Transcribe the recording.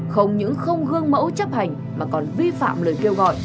không những không gương mẫu chấp hành mà còn vi phạm lời kêu gọi